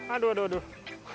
aduh aduh aduh